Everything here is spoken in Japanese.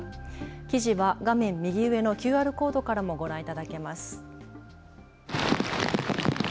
記事は画面右上のＱＲコードからもご覧いただけます。